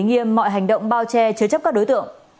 nghiêm mọi hành động bao che chứa chấp các đối tượng